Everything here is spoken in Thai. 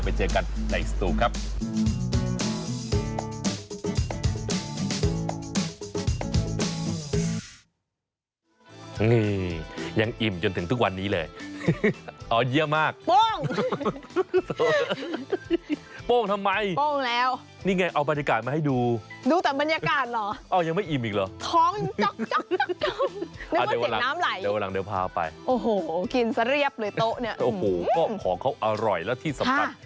ไปเจอกันในสตูครับ